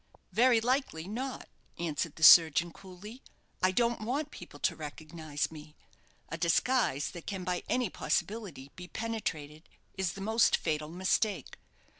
"Very likely not," answered the surgeon, coolly; "I don't want people to recognize me. A disguise that can by any possibility be penetrated is the most fatal mistake.